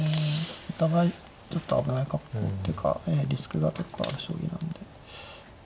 お互いちょっと危ない格好っていうかリスクが結構ある将棋なんで。